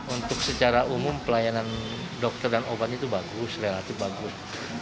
untuk secara umum pelayanan dokter dan obat itu bagus relatif bagus